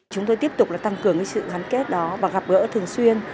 chúng tôi tiếp tục tăng cường sự gắn kết đó và gặp gỡ thường xuyên